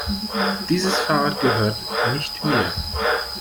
Dieses Fahrrad gehört nicht mir.